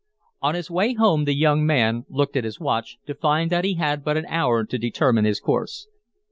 On his way home, the young man looked at his watch, to find that he had but an hour to determine his course.